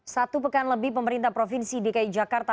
satu pekan lebih pemerintah provinsi dki jakarta